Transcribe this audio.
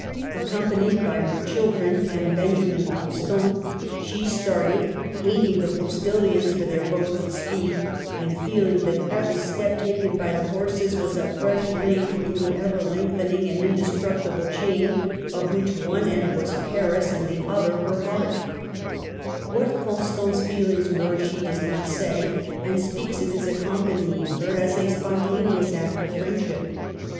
Accompanied by her children and Benjamin Constant, she started, hating the postillions for their boasted speed, and feeling that every step taken by the horses was a fresh link in the ever lengthening and indestructible chain of which one end was Paris and the other her heart What Constant's feelings were she does not say, and speaks of his accompanying her as a spontaneous act of friendship.